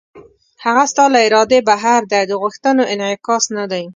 هغه ستا له ارادې بهر دی او د غوښتنو انعکاس نه دی.